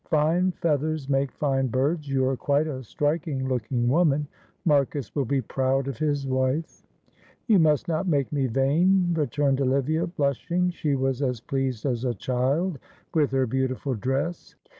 Fine feathers make fine birds. You are quite a striking looking woman. Marcus will be proud of his wife." "You must not make me vain," returned Olivia, blushing. She was as pleased as a child with her beautiful dress.